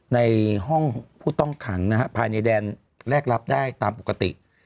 ในห้องผู้ต้องขังนะฮะภายในแดนแรกรับได้ตามปกติ